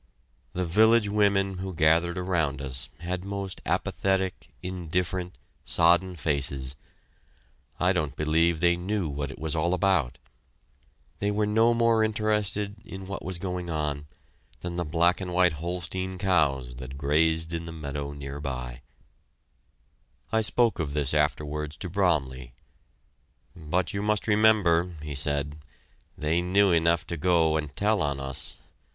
The village women who gathered around us had most apathetic, indifferent, sodden faces; I don't believe they knew what it was all about. They were no more interested in what was going on than the black and white Holstein cows that grazed in the meadow near by. [Illustration: Map made by Private Simmons of the First Attempt] I spoke of this afterwards to Bromley. "But you must remember," he said, "they knew enough to go and tell on us.